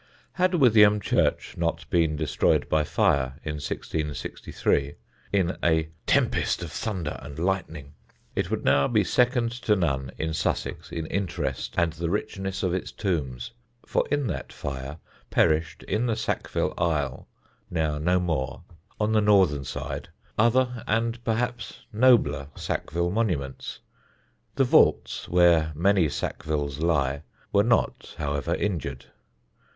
Had Withyham church not been destroyed by fire, in 1663, in a "tempest of thunder and lightning," it would now be second to none in Sussex in interest and the richness of its tombs; for in that fire perished in the Sackville aisle, now no more, on the northern side, other and perhaps nobler Sackville monuments. The vaults, where many Sackvilles lie, were not however injured.